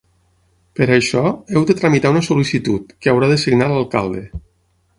Per a això, heu de tramitar una sol·licitud, que haurà de signar l'alcalde.